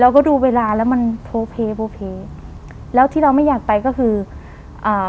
ก็ดูเวลาแล้วมันโพเพโพเพแล้วที่เราไม่อยากไปก็คืออ่า